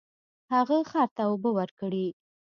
هغه خر ته اوبه ورکړې.